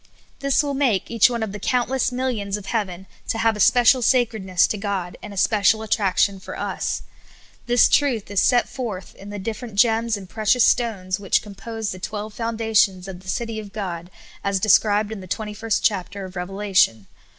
This will make each one of the countless millions of heaven to have a special sacredness to God, and a special attrac tion for us. This truth is set forth in the different gems and precious stones which compose the twelve foundations of the cit}' of God, as described in the twenty first chapter of Revelation.